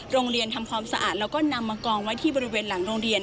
ทำความสะอาดแล้วก็นำมากองไว้ที่บริเวณหลังโรงเรียน